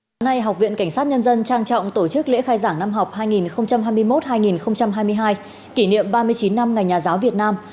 hôm nay học viện cảnh sát nhân dân trang trọng tổ chức lễ khai giảng năm học hai nghìn hai mươi một hai nghìn hai mươi hai kỷ niệm ba mươi chín năm ngày nhà giáo việt nam